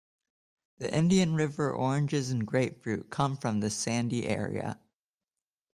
The Indian River oranges and grapefruit come from this sandy area.